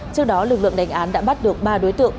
trước đó lực lượng đánh án đã bắt được ba đối tượng